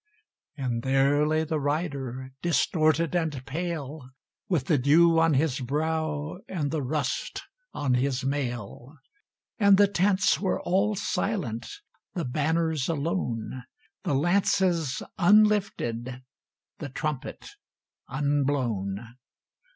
And there lay the rider distorted and pale, With the dew on his brow and the rust on his mail; And the tents were all silent, the banners alone, The lances unlifted, the trumpet unblown.